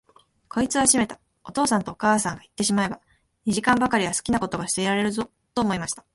こいつはしめた、お父さんとお母さんがいってしまえば、二時間ばかりは好きなことがしていられるぞ、と思いました。